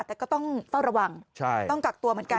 แต่ก็ต้องเฝ้าระวังต้องกักตัวเหมือนกัน